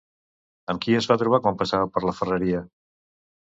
Amb qui es va trobar quan passava per la ferreria?